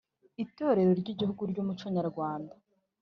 itorero ry’igihugu ry’ umuco nyarwanda